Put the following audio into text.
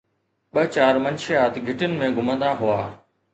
ٻه چار منشيات گهٽين ۾ گهمندا هئا